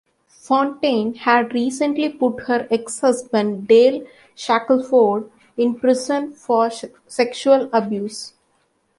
Fontaine had recently put her ex-husband Dale Shackleford in prison for sexual abuse.